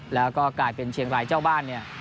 แล้วก็กลายเป็นเชียงรายเจ้าบ้านเนี่ย